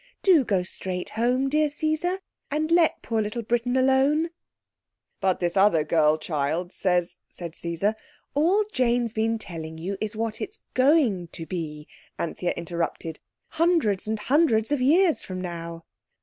Do go straight home, dear Caesar, and let poor little Britain alone." "But this other girl child says—" said Caesar. "All Jane's been telling you is what it's going to be," Anthea interrupted, "hundreds and hundreds of years from now."